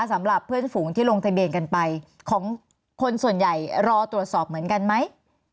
สำหรับเพื่อนฝูงที่ลงทะเบียนกันไปของคนส่วนใหญ่รอตรวจสอบเหมือนกันไหม